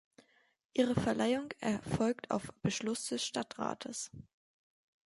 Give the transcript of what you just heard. Ihre Verleihung erfolgt auf Beschluss des Stadtrates.